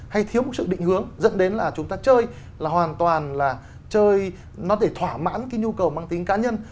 có một sự định hướng dẫn đến là chúng ta chơi là hoàn toàn là chơi nó để thỏa mãn cái nhu cầu mang tính cá nhân